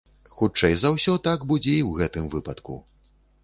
Хутчэй за ўсё, так будзе і ў гэтым выпадку.